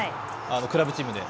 クラブチームで。